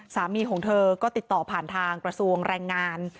สามีของเธอก็ติดต่อผ่านทางกระทรวงแรงงาน